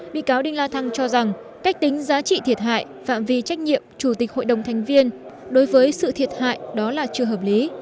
bị cáo đinh la thăng cho rằng cách tính giá trị thiệt hại phạm vi trách nhiệm chủ tịch hội đồng thành viên đối với sự thiệt hại đó là chưa hợp lý